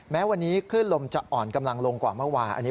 แม้วันนี้คลื่นลมจะอ่อนกำลังลงกว่าเมื่อวาน